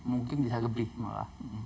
mungkin bisa lebih